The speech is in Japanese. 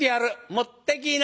持ってきな。